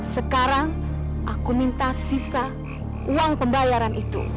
sekarang aku minta sisa uang pembayaran itu